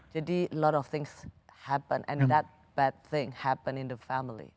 jadi banyak hal terjadi dan hal yang buruk itu terjadi di keluarga